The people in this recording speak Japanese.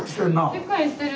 しっかりしてる。